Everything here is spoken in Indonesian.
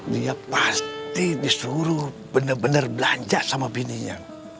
dia pasti disuruh bener bener belanja sama bininya